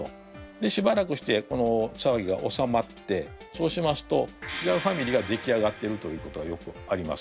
でしばらくしてさわぎがおさまってそうしますと違うファミリーが出来上がってるということがよくあります。